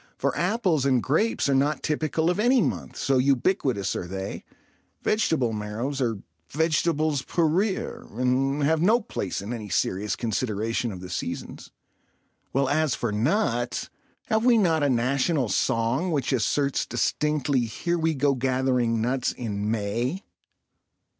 For apples and grapes are not typical of any month, so ubiquitous are they, vegetable marrows are vegetables pour rire and have no place in any serious consideration of the seasons, while as for nuts, have we not a national song which asserts distinctly, "Here we go gathering nuts in May"?